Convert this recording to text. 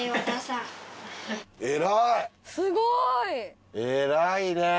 すごい！偉いね。